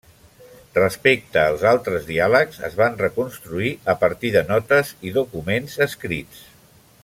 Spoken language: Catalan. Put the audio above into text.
Respecte als altres diàlegs, es van reconstruir a partir de notes i documents escrits.